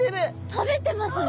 食べてますね。